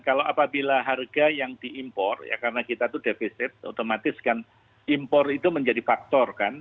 kalau apabila harga yang diimpor ya karena kita itu defisit otomatis kan impor itu menjadi faktor kan